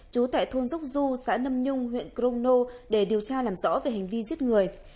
trú tại thôn dốc du xã nâm nhung huyện crono để điều tra làm rõ về hành vi giết người